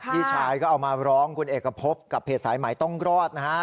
พี่ชายก็เอามาร้องคุณเอกพบกับเพจสายใหม่ต้องรอดนะฮะ